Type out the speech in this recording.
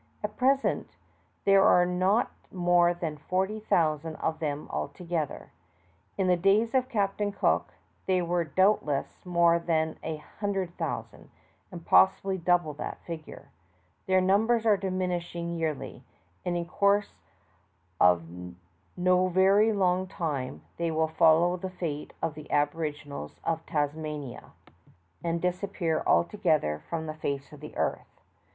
At present there are not more than forty thousand of them altogether. In the days of Captain Cook they were doubtless more than a hundred thousand, and possibly double that figure. Their numbers are diminishing yearly, and in course of no very long time they will follow the fate of the aboriginals of Tasmania, 195 196 THE TALKING HANDKERCHIEF. and disappear altogether from the face of the earth.